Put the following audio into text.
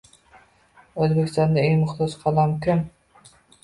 O'zbekistondagi eng muhtoj qatlam kim?